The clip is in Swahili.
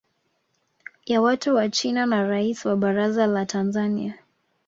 ya watu wa China na Rais wa baraza la Tanzania